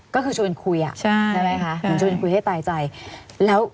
ก็คือชวนคุยใช่ไหมคะชวนคุยให้ตายใจ